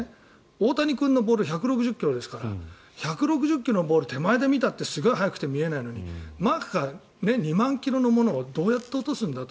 大谷君のボール１６０ｋｍですから１６０ｋｍのボールを手前で見たってすごい速くて見えないのにマッハ２万ｋｍのものをどうやって落とすんだと。